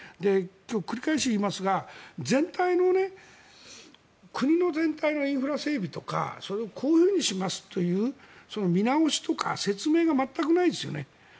今日、繰り返し言いますが国の全体のインフラ整備とかこういうふうにしますというその見直しとか説明が全くないですよね。